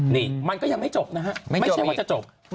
นี่มันก็ยังไม่จบนะฮะไม่ใช่ว่าจะจบ